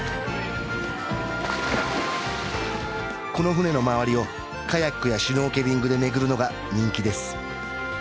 この船の周りをカヤックやシュノーケリングで巡るのが人気です